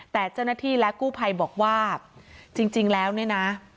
แต่เจ้าหน้าที่และกู้ภัยบอกว่าจริงแล้วเนี่ยนะ